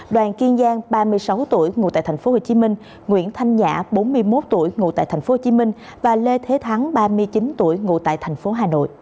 đoàn kiên giang ba mươi sáu tuổi ngụ tại tp hcm nguyễn thanh nhã bốn mươi một tuổi ngụ tại tp hcm và lê thế thắng ba mươi chín tuổi ngụ tại tp hcm